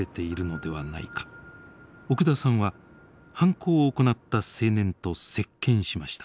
奥田さんは犯行を行った青年と接見しました。